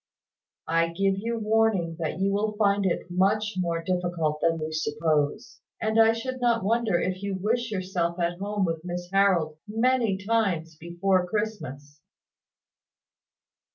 I give you warning that you will find it much more difficult than you suppose; and I should not wonder if you wish yourself at home with Miss Harold many times before Christmas."